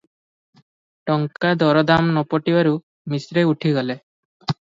ଟଙ୍କା ଦରଦାମ ନ ପଟିବାରୁ ମିଶ୍ରେ ଉଠିଗଲେ ।